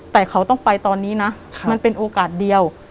แต่เขาต้องไปตอนนี้นะมันเป็นโอกาสเดียว